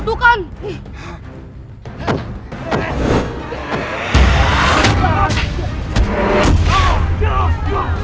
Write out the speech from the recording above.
serta tiba dua kudama